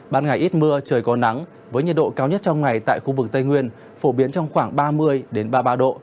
ban ngày ít mưa trời có nắng với nhiệt độ cao nhất trong ngày tại khu vực tây nguyên phổ biến trong khoảng ba mươi ba mươi ba độ